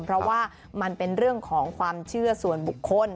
เพราะว่ามันเป็นเรื่องของความเชื่อส่วนบุคคล